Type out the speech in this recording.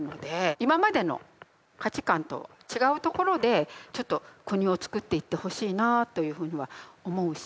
今までの価値観と違うところでちょっと国をつくっていってほしいなというふうには思うし